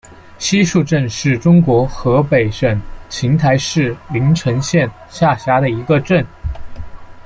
西竖镇是中国河北省邢台市临城县下辖的一个镇。